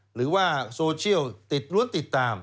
หรือว่าโซเชียลร้วมติดตาม